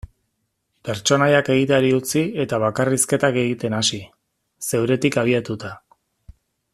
Pertsonaiak egiteari utzi eta bakarrizketak egiten hasi, zeuretik abiatuta.